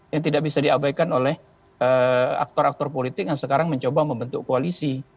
yang tidak bisa diabaikan oleh aktor aktor politik yang sekarang mencoba membentuk koalisi